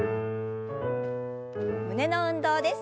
胸の運動です。